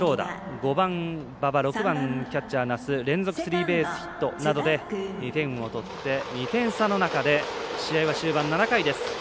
５番馬場、６番キャッチャー奈須連続スリーベースヒットなどで２点を取って、２点差の中で試合は終盤、７回です。